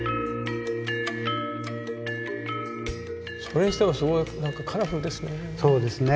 それにしてもすごいカラフルですね。